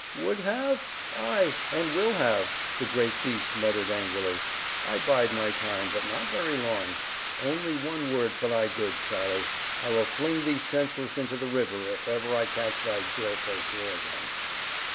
"Would have? Ay, and will have," the great beast muttered, angrily. "I bide my time; but not very long. Only one word for thy good, Charlie. I will fling thee senseless into the river if ever I catch thy girl face here again."